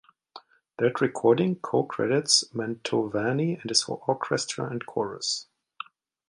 That recording co-credits Mantovani and his Orchestra and Chorus.